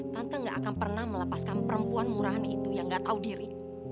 tante gak akan pernah melepaskan perempuan murahnya itu yang gak tahu diri